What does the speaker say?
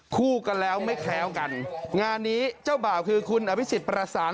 คู่กันแล้วไม่แคล้วกันงานนี้เจ้าบ่าวคือคุณอภิษฎประสาน